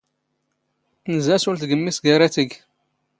ⵜⵏⵣⴰ ⵙⵓⵍ ⵜⴳⵎⵎⵉ ⵙ ⴳⴰⵔ ⴰⵜⵉⴳ.